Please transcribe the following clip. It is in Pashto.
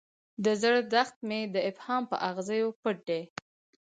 د زړه دښت مې د ابهام په اغزیو پټ دی.